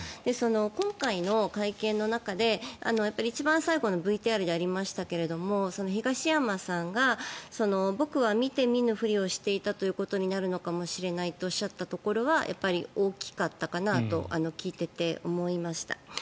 今回の会見の中で一番最後のＶＴＲでありましたが東山さんが、僕は見て見ぬふりをしていたことになるのかもしれないとおっしゃったところはやっぱり大きかったかなと聞いていて思いました。